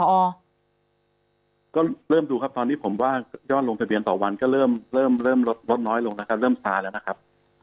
ก็เริ่มดูครับตอนนี้ผมว่ายอดลงทะเบียนต่อวันก็เริ่มเริ่มลดลดน้อยลงนะครับเริ่มช้าแล้วนะครับ